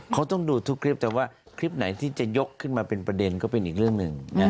เขาต้องดูทุกคลิปแต่ว่าคลิปไหนที่จะยกขึ้นมาเป็นประเด็นก็เป็นอีกเรื่องหนึ่ง